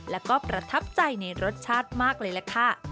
และก็ประทับใจในรสชาติมากเลยล่ะค่ะ